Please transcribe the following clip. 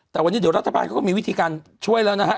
แต่วันนี้เดี๋ยวรัฐบาลเขาก็มีวิธีการช่วยแล้วนะฮะ